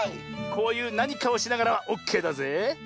こういうなにかをしながらはオッケーだぜえ。